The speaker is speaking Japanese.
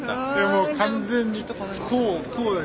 もう完全にこう。